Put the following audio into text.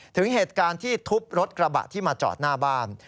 ถึงเหตุการณ์ที่ทุบรถกระบะที่มาจอดหน้าบ้าน